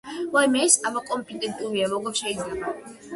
ვაიმე ეს არაკომპიტენტურია როგორ შეიძლება!